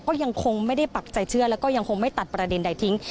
ก็ยังคงไม่ได้ปักใจเชื่อแล้วก็ยังคงไม่ตัดประเด็นใดทิ้ง